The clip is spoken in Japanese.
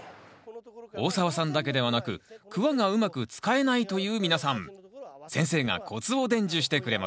大沢さんだけではなくクワがうまく使えないという皆さん先生がコツを伝授してくれますよ